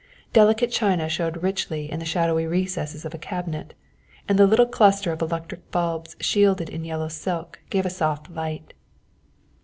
Delicate china showed richly in the shadowy recesses of a cabinet, and the little cluster of electric bulbs shaded in yellow silk gave a soft light.